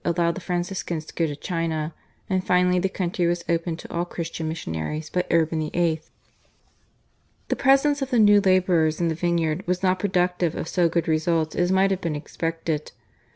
allowed the Franciscans to go to China, and finally the country was opened to all Christian missionaries by Urban VIII. The presence of the new labourers in the vineyard was not productive of so good results as might have been expected.